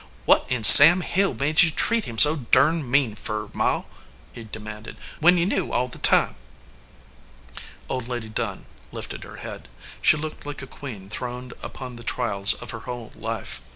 "What in Sam Hill made you treat him so durned mean fur, Ma," he demanded, "when you knew all the time?" Old Lady Dunn lifted her head. She looked like a queen throned upon the trials of her whole life.